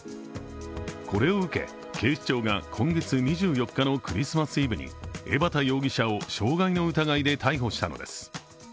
これを受け、警視庁が今月２４日のクリスマスイブに江畑容疑者を傷害の疑いで逮捕したのです。